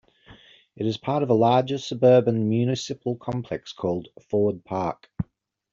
It is part of a larger suburban municipal complex called Ford Park.